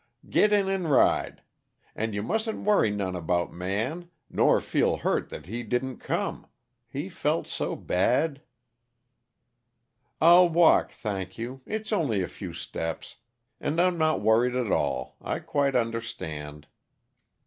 "Get in and ride. And you mustn't worry none about Man, nor feel hurt that he didn't come. He felt so bad " "I'll walk, thank you; it's only a few steps. And I'm not worried at all. I quite understand."